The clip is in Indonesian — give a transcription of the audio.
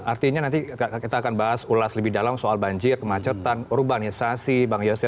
artinya nanti kita akan bahas ulas lebih dalam soal banjir kemacetan urbanisasi bang yose